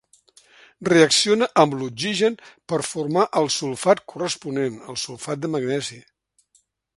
Reacciona amb l'oxigen per formar el sulfat corresponent, el sulfat de magnesi.